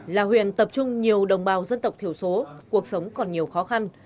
là huyện tập trung nhiều đồng bào dân tộc thiểu số cuộc sống còn nhiều khó khăn